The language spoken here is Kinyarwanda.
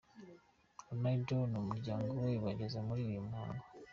Ronaldo n ’umuryango we bageze muri uyu muhango.